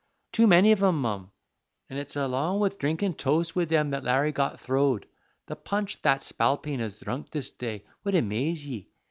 "Too many of 'em, mum, an' it's along wid dhrinkin' toasts wid 'em that Larry got throwed. The punch that spalpeen has dhrunk this day would amaze ye.